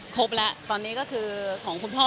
ครบแล้วตอนนี้ก็คือของคุณพ่อ